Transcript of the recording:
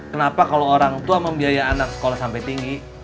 kenapa kalau orang tua membiaya anak sekolah sampai tinggi